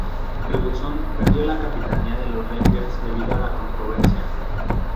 Ferguson perdió la capitanía de los Rangers debido a la controversia.